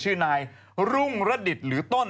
ชื่อนายรุ่งระดิษฐ์หรือต้น